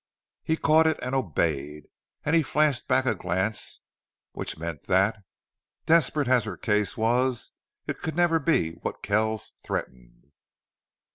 He caught it and obeyed. And he flashed back a glance which meant that, desperate as her case was, it could never be what Kells threatened.